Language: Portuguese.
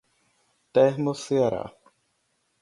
Termoceará